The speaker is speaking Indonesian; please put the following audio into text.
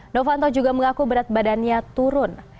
novanto juga mengaku berat badannya turun